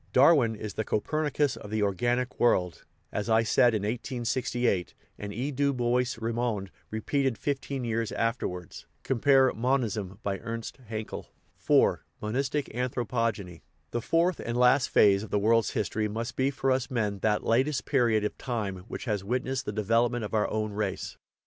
Darwin is the Copernicus of the organic world, as I said in 1868, and E. du Bois Reymond repeated fifteen years after wards.* IV. MONISTIC ANTHROPOGENY The fourth and last phase of the world's history must be for us men that latest period of time which has wit nessed the development of our own race.